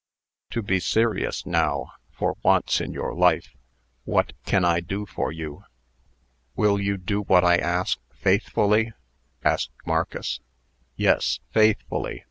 To be serious, now for once in your life what can I do for you?" "Will you do what I ask, faithfully?" asked Marcus. "Yes, faithfully.